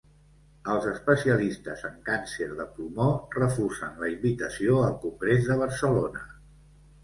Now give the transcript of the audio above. Els especialistes en càncer de pulmó refusen la invitació al congrés de Barcelona